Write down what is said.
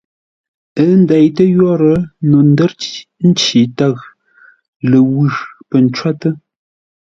Ə́ ndeitə́ yórə́, no ndə́r nci tə̂ʉ, ləwʉ̂ pə̂ ncwótə́.